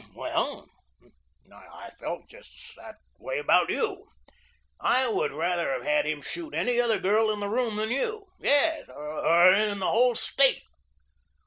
Well, I felt just that way about you. I would rather have had him shoot any other girl in the room than you; yes, or in the whole State.